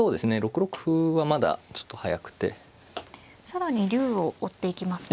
更に竜を追っていきますね。